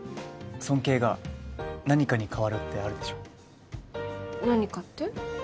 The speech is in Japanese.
尊敬が何かに変わるってあるでしょ何かって？